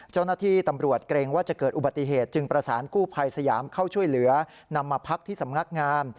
เจ้าหน้าที่ตำรวจเกรงว่าจะเกิดอุบัติเหตุจึงประสานกู้ภัยสยามเข้าช่วยเหลือนำมาพักที่สำนักงาม